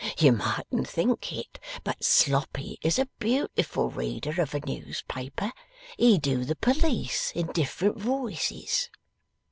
You mightn't think it, but Sloppy is a beautiful reader of a newspaper. He do the Police in different voices.